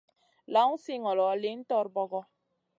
Lawn si ŋolo, lihn torbogo.